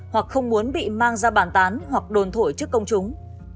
hoặc không muốn bị mang ra bàn tán hoặc đồn thổi trước công chúng